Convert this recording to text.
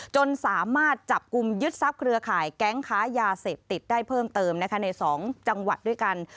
จนสามารถจับกลุ่มยึดทรัพย์ได้เพิ่มเติมนะคะในสองด้วยกัน